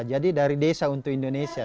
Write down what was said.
jadi dari desa untuk indonesia